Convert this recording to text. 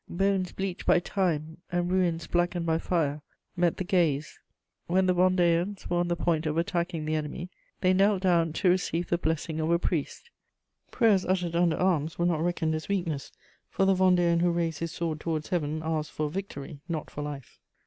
Bones bleached by time and ruins blackened by fire met the gaze. When the Vendeans were on the point of attacking the enemy, they knelt down to receive the blessing of a priest. Prayers uttered under arms were not reckoned as weakness, for the Vendean who raised his sword towards Heaven asked for victory, not for life.